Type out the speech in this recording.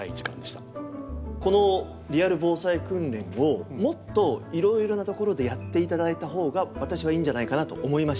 この「リアル防災訓練」をもっといろいろなところでやって頂いたほうが私はいいんじゃないかなと思いました。